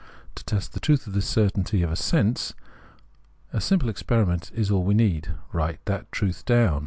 To test the truth of this cer tainty of sense, a simple experiment is all we need : write that truth down.